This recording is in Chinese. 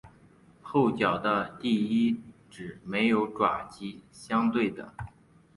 后脚的第一趾没有爪及相对的。